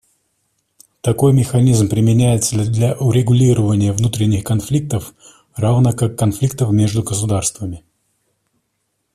Такой механизм применяется для урегулирования внутренних конфликтов, равно как конфликтов между государствами.